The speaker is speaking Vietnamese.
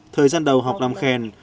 thời gian đầu học làm khen